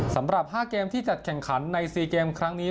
สำหรับ๕เกมที่จัดแข่งขันใน๔เกมครั้งนี้